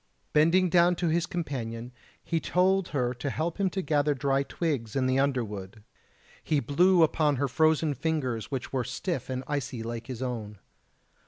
Bending down to his companion he told her to help him to gather dry twigs in the underwood; he blew upon her frozen fingers which were stiff and icy like his own.